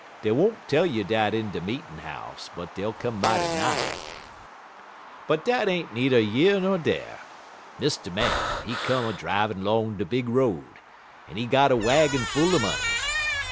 Dey won't tell you dat in de meeting house, but dey'll come mighty nigh it. "But dat ain't needer yer ner dar. Mr. Man, he come a drivin' 'long de big road, en he got a waggin full er money.